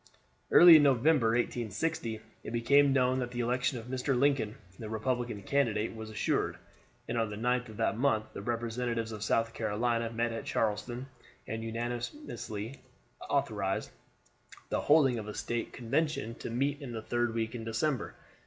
Early in November, 1860, it became known that the election of Mr. Lincoln, the Republican candidate, was assured, and on the ninth of that month the representatives of South Carolina met at Charleston, and unanimously authorized the holding of a State convention to meet in the third week in December.